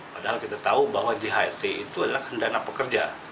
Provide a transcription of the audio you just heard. padahal kita tahu bahwa jht itu adalah dana pekerja